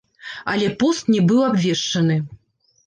Але пост не быў абвешчаны.